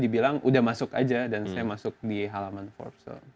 terus saya bilang udah masuk aja dan saya masuk di halaman forbes